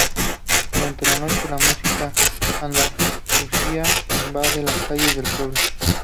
Durante la noche, la música andalusí invade las calles del pueblo.